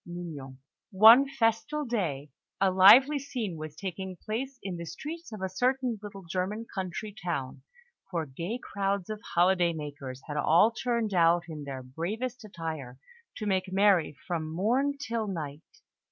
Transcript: MIGNON One festal day, a lively scene was taking place in the streets of a certain little German country town; for gay crowds of holiday makers had all turned out in their bravest attire to make merry from morn till night.